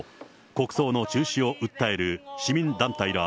国葬の中止を訴える市民団体ら